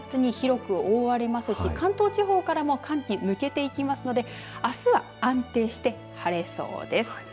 あすは北日本を中心に高気圧に広く覆われますし関東地方からも寒気抜けていきますのであすは安定して晴れそうです。